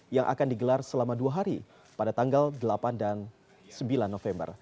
yang akan digelar selama dua hari pada tanggal delapan dan sembilan november